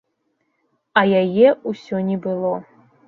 А яе ўсё не было.